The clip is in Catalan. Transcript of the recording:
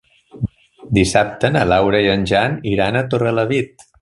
Dissabte na Laura i en Jan iran a Torrelavit.